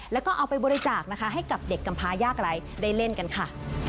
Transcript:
แล้วก็เอาไปบริจาคนะคะให้กับเด็กกำพายากไร้ได้เล่นกันค่ะ